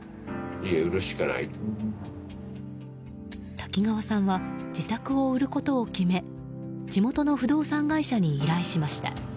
滝川さんは自宅を売ることを決め地元の不動産会社に依頼しました。